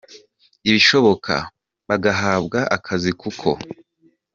ibishoboka bagahabwa akazi kuko.